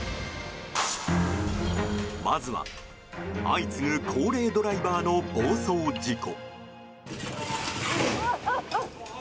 まずは、相次ぐ高齢ドライバーの暴走事故。